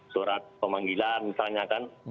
surat pemanggilan misalnya kan